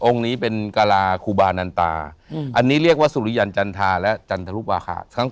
นี้เป็นกราครูบานันตาอันนี้เรียกว่าสุริยันจันทาและจันทรุวาคา